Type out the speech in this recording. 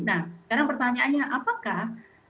nah sekarang pertanyaannya apakah